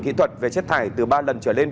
kỹ thuật về chất thải từ ba lần trở lên